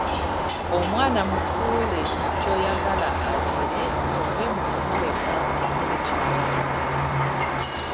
Omwana mufuule kyoyagala abeere ove mukumuleka akole ky'ayagala.